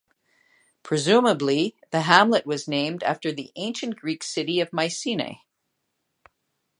Presumably the hamlet was named after the ancient Greek city of Mycenae.